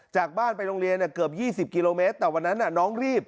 จากบ้านไปโรงเรียนเนี่ยเกือบยี่สิบกิโลเมตรแต่วันนั้นน่ะน้องรีบ